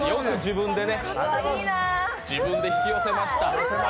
やっと自分で引き寄せました。